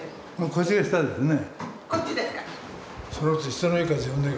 こっちですか。